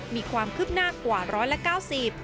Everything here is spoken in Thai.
มีความคึบหน้ากว่า๑๙๐ล้านบาท